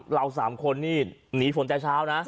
เรา๓คนนี่หนีฝนแต่เช้านะ